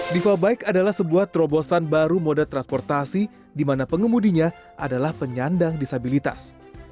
diva bike adalah sebuah terobosan baru moda transportasi di mana pengemudinya adalah penyandang disabilitas